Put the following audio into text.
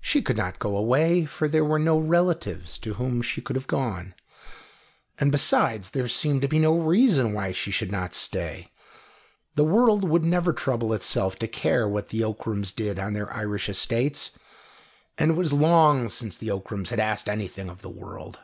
She could not go away, for there were no relatives to whom she could have gone, and, besides, there seemed to be no reason why she should not stay. The world would never trouble itself to care what the Ockrams did on their Irish estates, and it was long since the Ockrams had asked anything of the world.